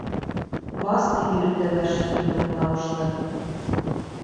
«Бас» тип йөрөтәләр шикелле ул тауышты.